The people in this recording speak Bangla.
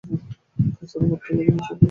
তাছাড়া বটতলী, নবীগঞ্জ নামে দুটি ছোট বাজার আছে।